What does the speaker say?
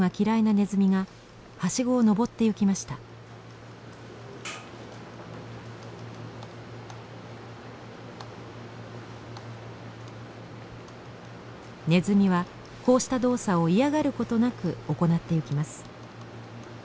ネズミはこうした動作を嫌がることなく行っていきます。